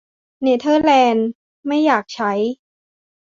เนเธอร์แลนด์ไม่อยากใช้